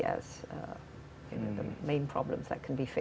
masalah utama yang bisa diatasi